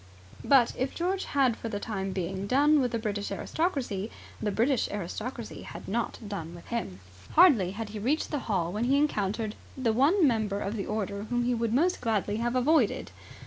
But if George had for the time being done with the British aristocracy, the British aristocracy had not done with him. Hardly had he reached the hall when he encountered the one member of the order whom he would most gladly have avoided.